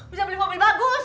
bisa beli mobil bagus